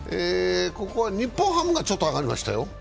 日本ハムがちょっと上がりましたよ。